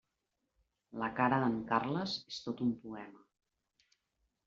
La cara d'en Carles és tot un poema.